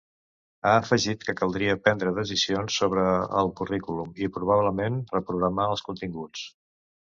Ha afegit que caldria ‘prendre decisions sobre el currículum’ i, probablement, ‘reprogramar’ els continguts.